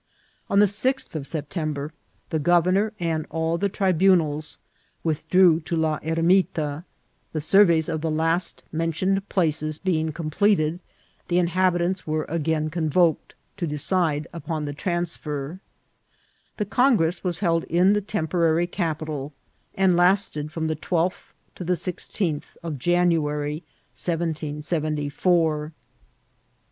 ..•" On the 6th of September the governor and all the tribunals withdrew to La Hermita ; the surveys of the last mentioned places being completed, the inhabitants were again convoked, to* decide upon the transfer* This congress was held in the temporary capital, and lasted from the 12th to the 16th of January, 1774 : the 870 INCIDKNTS OF TRAVEL.